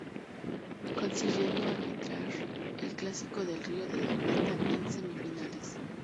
Consiguiendo arbitrar el Clásico del Río de la Plata en semifinales.